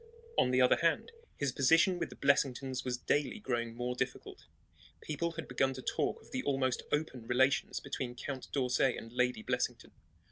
On the other hand, his position with the Blessingtons was daily growing more difficult. People had begun to talk of the almost open relations between Count d'Orsay and Lady Blessington.